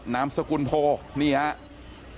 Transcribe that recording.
นามสกุลโพนี่ครับ